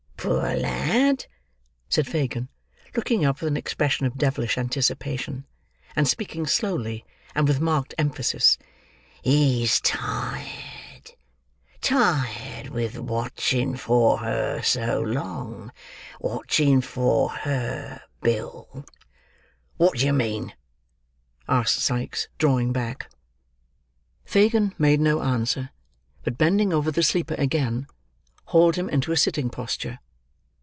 Poor lad!" said Fagin, looking up with an expression of devilish anticipation, and speaking slowly and with marked emphasis. "He's tired—tired with watching for her so long,—watching for her, Bill." "Wot d'ye mean?" asked Sikes, drawing back. Fagin made no answer, but bending over the sleeper again, hauled him into a sitting posture.